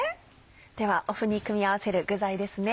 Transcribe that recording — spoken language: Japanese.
ではお麩に組み合わせる具材ですね。